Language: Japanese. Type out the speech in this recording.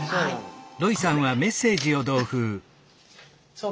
そう。